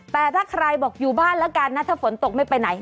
แต่ถ้าใครบอกอยู่บ้านแล้วกันนะถ้าฝนตกไม่ไปไหน